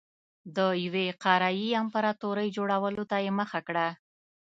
د یوې قاره يي امپراتورۍ جوړولو ته یې مخه کړه.